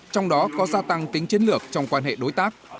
trong đó có gia tăng tính chiến lược trong quan hệ đối tác